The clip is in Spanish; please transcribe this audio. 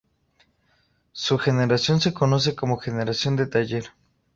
Su generación se conoce como Generación de Taller.